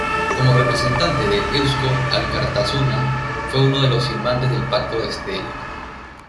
Como representante de Eusko Alkartasuna fue uno de los firmantes del Pacto de Estella.